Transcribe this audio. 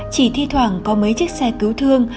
chỉ thi thoảng có mấy chiếc xe cứu thương